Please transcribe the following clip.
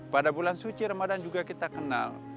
pada bulan suci ramadan juga kita kenal